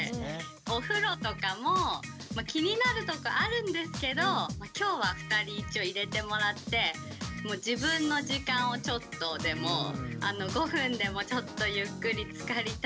お風呂とかも気になるとこあるんですけど今日は２人一応入れてもらって５分でもちょっとゆっくりつかりたいから。